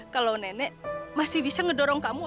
kalau nenek masih bisa ngedorong kamu aja ya